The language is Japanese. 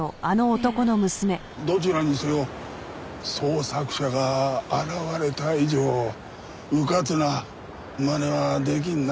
どちらにせよ捜索者が現れた以上迂闊なまねはできんな。